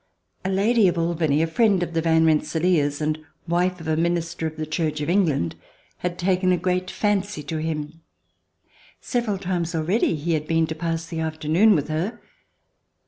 A lady of Albany, a friend of the Van Rensselaers and wife of a minister of the Church of England, had taken a great fancy to him. Several times already he had been to pass the afternoon with her.